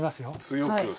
強く。